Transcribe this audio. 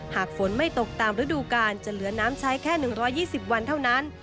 หากฝนไม่ตกตามฤดูกาลจะเหลือน้ำใช้แค่๑๒๐วันเท่านั้น